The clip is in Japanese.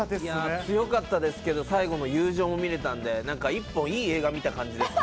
強かったですけど、最後友情も見れたんで、一本いい映画を見れた感じですね。